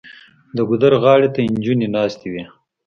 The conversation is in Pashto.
د ګودر غاړې ته جینکۍ ناستې وې